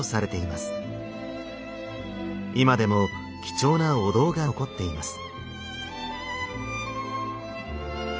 今でも貴重なお堂が残っています。